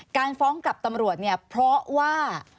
ฟ้องกับตำรวจเนี่ยเพราะว่า